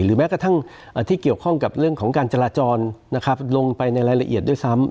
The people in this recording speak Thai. แม้กระทั่งที่เกี่ยวข้องกับเรื่องของการจราจรลงไปในรายละเอียดด้วยซ้ำ